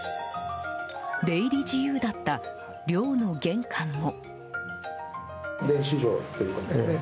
出入り自由だった寮の玄関も。